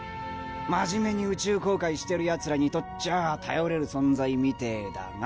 真面目に宇宙航海してるヤツらにとっちゃあ頼れる存在みてぇだが。